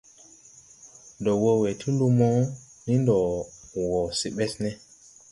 Ndo wo we ti lumo, ni ndo wo se Besne.